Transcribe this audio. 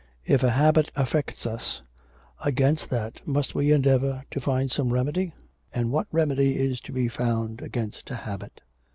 'If a habit affects us, against that must we endeavour to find some remedy? And what remedy is to be found against a habit?